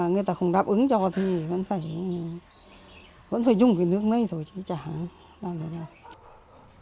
người ta không đáp ứng cho thì vẫn phải dùng cái nước này thôi chứ chả